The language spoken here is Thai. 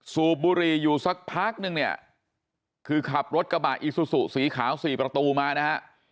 สูบบุรีอยู่สักพักนึงคือขับรถกระบะอิซุสุสีขาว๔ประตูมานะ